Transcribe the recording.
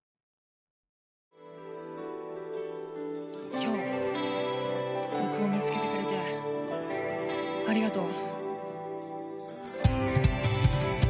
今日僕を見つけてくれてありがとう。